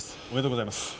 おめでとうございます。